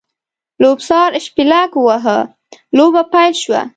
لوبڅار شپېلک ووهه؛ لوبه پیل شوه.